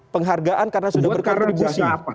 penghargaan karena sudah berkontribusi